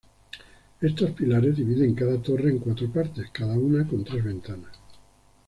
Estos pilares dividen cada torre en cuatro partes, cada una con tres ventanas.